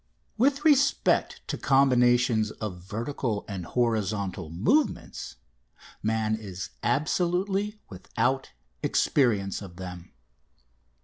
_With respect to combinations of vertical and horizontal movements, man is absolutely without experience of them.